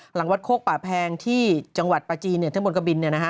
หลังวัดโคกป่าแพงที่จังหวัดปลาจีนทั้งบนกะบิน